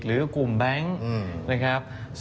หรือกลุ่มแบงค์นะครับ